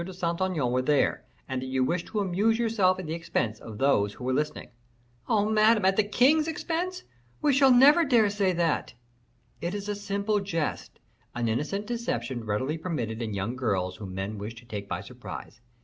de Saint Aignan were there, and that you wished to amuse yourself at the expense of those who were listening." "Oh, Madame, at the king's expense; we shall never dare say that!" "It is a simple jest; an innocent deception readily permitted in young girls whom men wish to take by surprise.